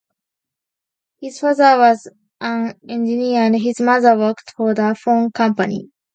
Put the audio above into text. His father was an engineer and his mother worked for the phone company.